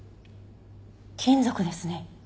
金属ですね。